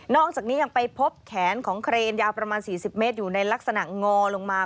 อกจากนี้ยังไปพบแขนของเครนยาวประมาณ๔๐เมตรอยู่ในลักษณะงอลงมา